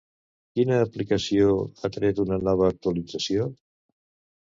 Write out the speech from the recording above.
Quina aplicació ha tret una nova actualització?